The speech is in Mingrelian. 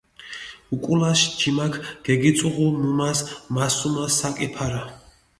უკულაში ჯიმაქ გეგიწუღუ მუმას მასუმა საკი ფარა.